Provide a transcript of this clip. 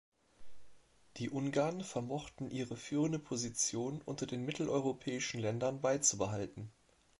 Die Ungarn vermochten ihre führende Position unter den mitteleuropäischen Ländern beizubehalten.